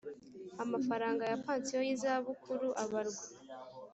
amafaranga ya pansiyo y izabukuru abarwa